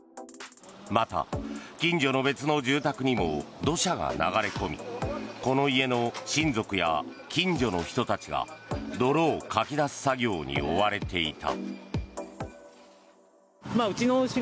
また、近所の別の住宅にも土砂が流れ込みこの家の親族や近所の人たちが泥をかき出す作業に追われていた。